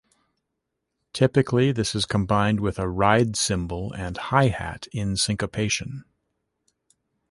Typically, this is combined with a ride cymbal and hi-hat in syncopation.